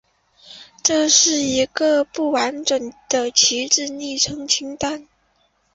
这是一个不完整的旗帜昵称清单。